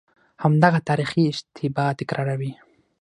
همدغه تاریخي اشتباه تکراروي.